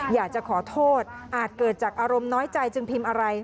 อยากจะขอโทษอาจเกิดจากอารมณ์น้อยใจจึงพิมพ์อะไร